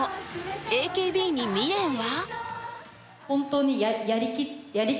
ＡＫＢに未練は？